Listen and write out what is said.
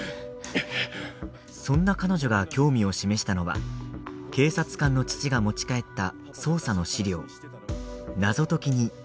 そんな彼女が興味を示したのは警察官の父が持ち帰った捜査の資料。